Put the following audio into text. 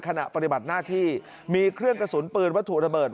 ขณะปฏิบัติหน้าที่มีเครื่องกระสุนปืนวัตถุระเบิด